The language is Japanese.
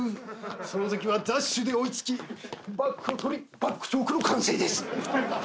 そのときはダッシュで追い付きバックを取りバックチョークの完成です。